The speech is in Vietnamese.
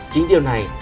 chính điều này